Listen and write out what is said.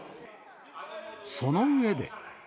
その上で。